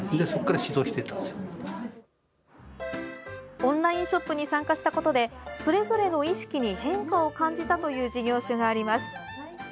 オンラインショップに参加したことでそれぞれの意識に変化を感じたという事業所があります。